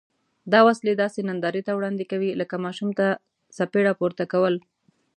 دا وسلې داسې نندارې ته وړاندې کوي لکه ماشوم ته څپېړه پورته کول.